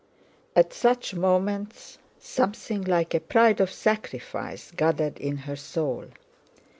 At such moments something like a pride of sacrifice gathered in her soul.